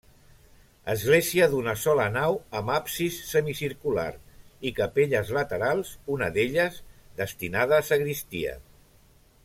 Església d'una sola nau amb absis semicircular i capelles laterals, una d'elles destinada a sagristia.